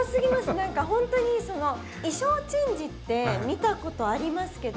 何か本当に衣装チェンジって見たことありますけど